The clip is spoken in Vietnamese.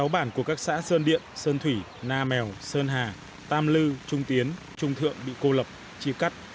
một mươi sáu bản của các xã sơn điện sơn thủy na mèo sơn hà tam lư trung tiến trung thượng bị cô lập chi cắt